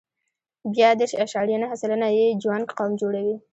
بیا دېرش اعشاریه نهه سلنه یې جوانګ قوم جوړوي.